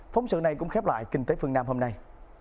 thành phố này cũng khép lại kinh tế phương nam hôm nay